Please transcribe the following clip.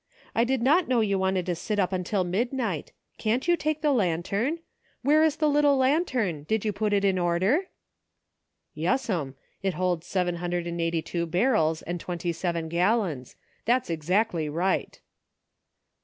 I did not know you wanted to sit up until midnight ; can't you take the lantern .• Where is the little lantern .* Did you put it in order .*"*' Yes'm ; it holds seven hundred and eighty two 146 PHOTOGRAPHS. barrels and twenty seven gallons ; that's exactly right."